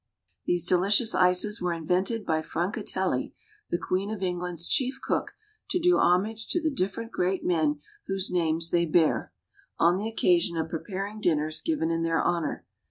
These delicious ices were invented by Francatelli, the Queen of England's chief cook, to do homage to the different great men whose names they bear, on the occasion of preparing dinners given in their honor.